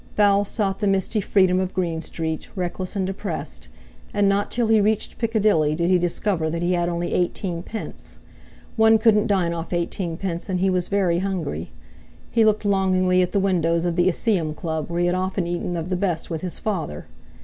Val sought the misty freedom of Green Street, reckless and depressed. And not till he reached Piccadilly did he discover that he had only eighteen pence. One couldn't dine off eighteen pence, and he was very hungry. He looked longingly at the windows of the Iseeum Club, where he had often eaten of the best with his father!